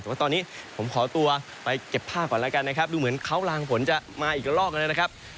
แต่ว่าตอนนี้ผมขอตัวไปเก็บภาพก่อนแล้วกันนะครับดูเหมือนเขาลางฝนจะมาอีกละลอกเลยนะครับ